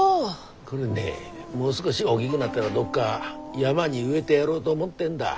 これねもう少し大きぐなったらどっか山に植えでやろうど思ってんだ。